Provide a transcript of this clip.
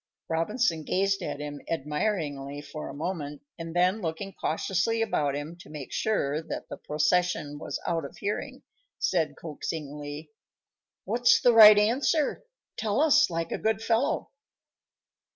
Robinson gazed at him admiringly for a moment, and then, looking cautiously about him, to make sure that the procession was out of hearing, said coaxingly: "What's the right answer? Tell us, like a good fellow."